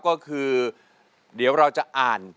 ก็คือเดี๋ยวเราจะอ่าน